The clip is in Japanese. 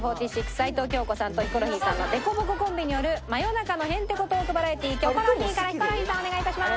齊藤京子さんとヒコロヒーさんの凸凹コンビによる真夜中のヘンテコトークバラエティー『キョコロヒー』からヒコロヒーさんお願いいたします。